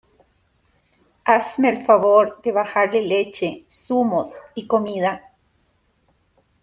hazme el favor de bajarle leche, zumos y comida